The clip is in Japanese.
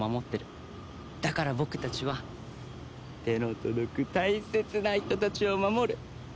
だから僕たちは手の届く大切な人たちを守る。